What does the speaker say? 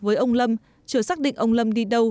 với ông lâm chưa xác định ông lâm đi đâu